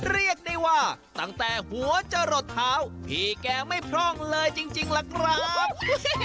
เรียกได้ว่าตั้งแต่หัวจะหลดเท้าพี่แกไม่พร่องเลยจริงล่ะครับ